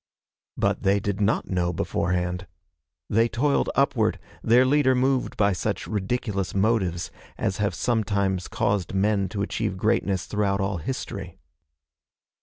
But they did not know beforehand. They toiled upward, their leader moved by such ridiculous motives as have sometimes caused men to achieve greatness throughout all history.